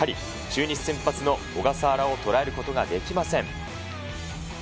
中日先発の小笠原を捉えることができません。